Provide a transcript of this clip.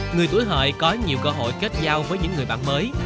người tuổi hợi có nhiều cơ hội kết giao với những người bạn mới